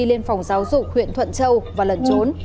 lên phòng giáo dục huyện thuận châu và lẩn trốn